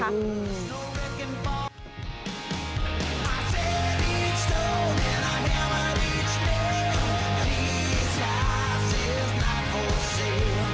โปรดติดตามตอนต่อไป